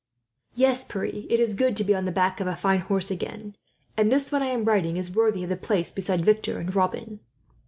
"Yes, Pierre, it is good to be on the back of a fine horse again; and this one I am riding is worthy of a place beside Victor and Robin."